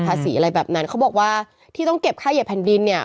สีอะไรแบบนั้นเขาบอกว่าที่ต้องเก็บค่าเหยียแผ่นดินเนี่ย